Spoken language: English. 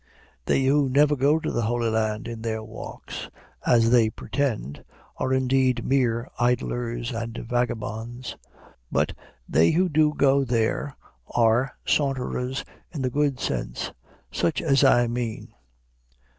They who never go to the Holy Land in their walks, as they pretend, are indeed mere idlers and vagabonds; but they who do go there are saunterers in the good sense, such as I mean.